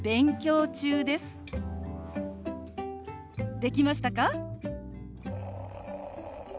できましたか？